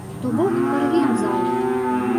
То бок, парвем залу.